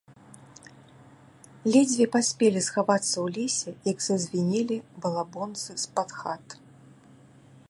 Ледзьве паспелі схавацца ў лесе, як зазвінелі балабонцы з-пад хат.